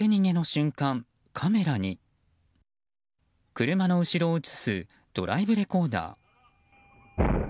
車の後ろを映すドライブレコーダー。